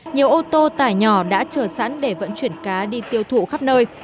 nhiều ô tô tải nhỏ đã chờ sẵn để vận chuyển cá đi tiêu thụ khắp nơi